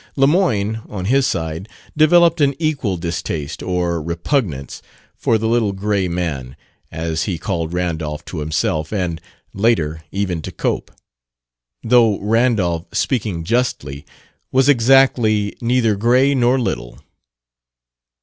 Lemoyne, on his side, developed an equal distaste (or repugnance) for the "little gray man" as he called Randolph to himself and, later, even to Cope; though Randolph, speaking justly, was exactly neither gray nor little.